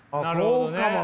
そうかもね。